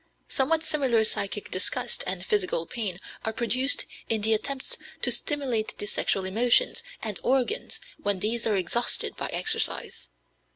Somewhat similar psychic disgust and physical pain are produced in the attempts to stimulate the sexual emotions and organs when these are exhausted by exercise.